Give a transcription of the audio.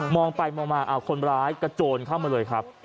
องไปมองมาคนร้ายกระโจนเข้ามาเลยครับ